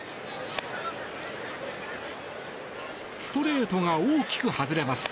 ストレートが大きく外れます。